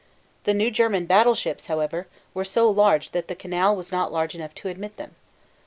The new German battleships, however, were so large that the canal was not large enough to admit them.